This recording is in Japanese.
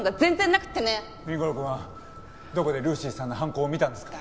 凛吾郎くんはどこでルーシーさんの犯行を見たんですか？